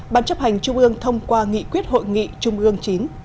ban chấp hành trung ương thông qua nghị quyết hội nghị trung ương chín